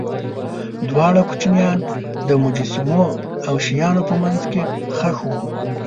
دواړه کوچنیان د مجسمو او شیانو په منځ کې ښخ وو.